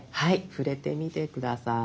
触れてみて下さい。